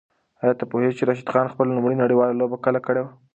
آیا ته پوهېږې چې راشد خان خپله لومړۍ نړیواله لوبه کله کړې وه؟